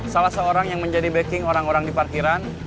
salah seorang yang menjadi backing orang orang di parkiran